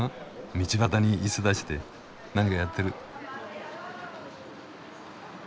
道端に椅子出して何かやってる。